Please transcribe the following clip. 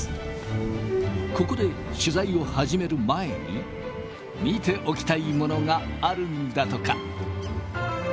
ここで取材を始める前に見ておきたいものがあるんだとか。